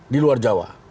di luar jawa